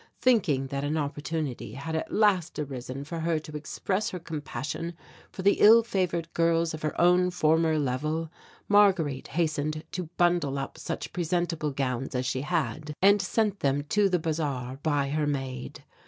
Thinking that an opportunity had at last arisen for her to express her compassion for the ill favoured girls of her own former level, Marguerite hastened to bundle up such presentable gowns as she had and sent them to the bazaar by her maid.